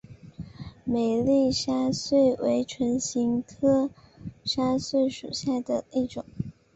美丽沙穗为唇形科沙穗属下的一个种。